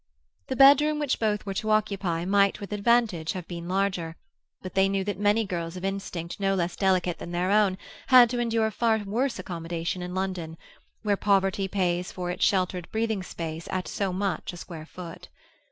The bedroom which both were to occupy might with advantage have been larger, but they knew that many girls of instinct no less delicate than their own had to endure far worse accommodation in London—where poverty pays for its sheltered breathing space at so much a square foot.